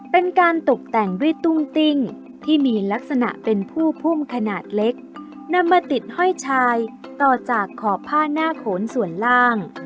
เป็นการตกแต่งด้วยตุ้งติ้งที่มีลักษณะเป็นผู้พุ่มขนาดเล็กนำมาติดห้อยชายต่อจากขอบผ้าหน้าโขนส่วนล่าง